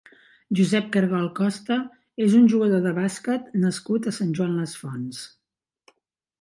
Josep Cargol Costa és un jugador de bàsquet nascut a Sant Joan les Fonts.